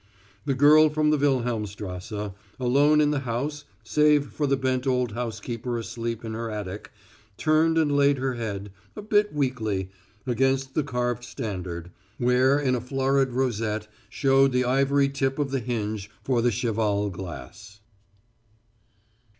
The girl from the Wilhelmstrasse, alone in the house save for the bent old housekeeper asleep in her attic, turned and laid her head a bit weakly against the carved standard, where in a florid rosette showed the ivory tip of the hinge for the cheval glass.